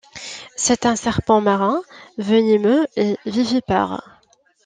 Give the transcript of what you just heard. C'est un serpent marin venimeux et vivipare.